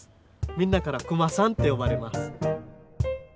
みんなからクマさんって呼ばれます。